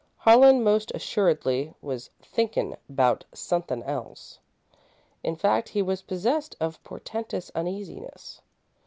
Harlan, most assuredly, was "thinkin' 'bout sunthin' else." In fact, he was possessed by portentous uneasiness.